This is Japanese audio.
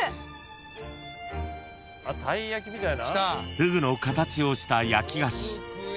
［フグの形をした焼き菓子］